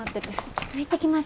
ちょっと行ってきます。